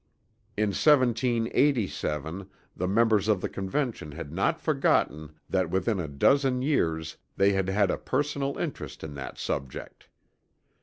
In 1787 the members of the Convention had not forgotten that within a dozen years they had had a personal interest in that subject.